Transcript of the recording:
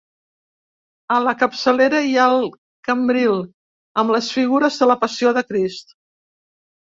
A la capçalera hi ha el cambril, amb les figures de la Passió de Crist.